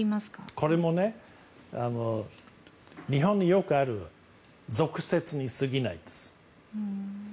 これも日本によくある俗説に過ぎないです。